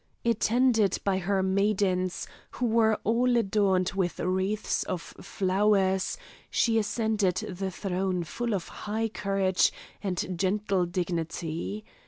Attended by her maidens, who were all adorned with wreaths of flowers, she ascended the throne full of high courage and gentle dignity.